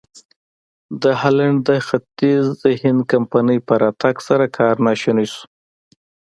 د هالنډ د ختیځ هند کمپنۍ په راتګ سره کار ناشونی شو.